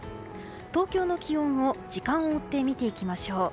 東京の気温を時間を追って見ていきましょう。